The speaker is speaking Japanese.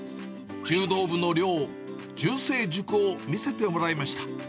柔道部の寮、柔星室を見せてもらいました。